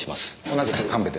同じく神戸です。